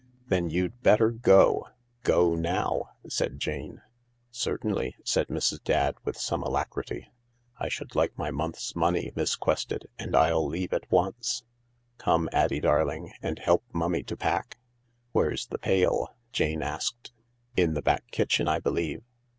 "Then you'd better go. Go now," said Jane. M Certainly," said Mrs. Dadd, with some alacrity. " I should like my month's money, Miss Quested, and I'll leave at once. Come, Addie darling, and help Mummy to pack." " Where's the pail ?" Jane asked. " In the back kitchen, I believe.